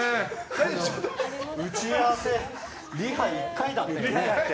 打ち合わせ、リハ１回だったよね？